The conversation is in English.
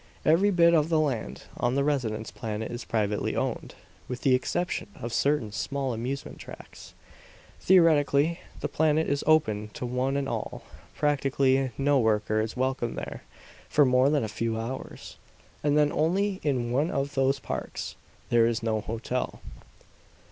"Every bit of the land on the residence planet is privately owned, with the exception of certain small amusement tracts. Theoretically, the planet is open to one and all; practically no worker is welcome there for more than a few hours, and then only in one of those parks. There is no hotel."